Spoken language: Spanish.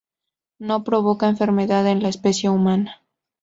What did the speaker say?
No provoca enfermedad en la especie humana.